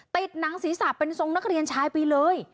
หนังศีรษะเป็นทรงนักเรียนชายไปเลย